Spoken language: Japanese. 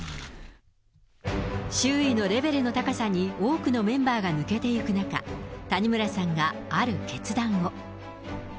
周囲のレベルの高さに多くのメンバーが抜けていく中、谷村さんがある決断を。